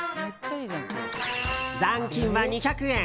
残金は２００円。